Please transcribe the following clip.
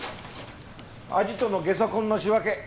アジトのゲソ痕の仕分け